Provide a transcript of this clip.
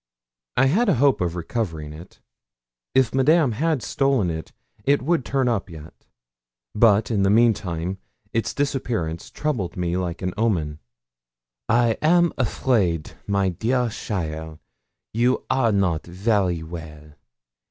I had a hope of recovering it. If Madame had stolen it, it would turn up yet. But in the meantime its disappearance troubled me like an omen. 'I am afraid, my dear cheaile, you are not very well.